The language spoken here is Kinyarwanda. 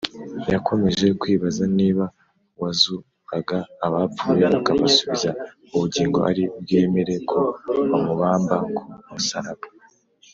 yakomeje kwibaza niba uwazuraga abapfuye akabasubiza ubugingo ari bwemere ko bamubamba ku musaraba?